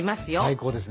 最高ですね。